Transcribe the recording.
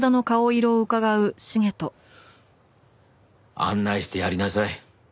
案内してやりなさい。